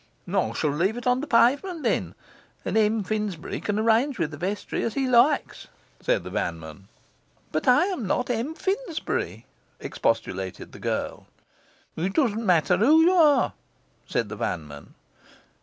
'I shall leave it on the pavement, then, and M. Finsbury can arrange with the Vestry as he likes,' said the vanman. 'But I am not M. Finsbury,' expostulated the girl. 'It doesn't matter who you are,' said the vanman.